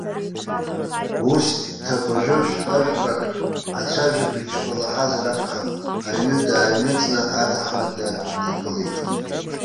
Ус ҭакәажәы шәпажәпак, ацәажәабжьқәа лаҳазар акәхап, аҩны дааҩныҵны аҭаҳмада днеиԥылеит.